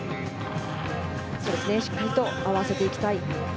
しっかりと合わせていきたい。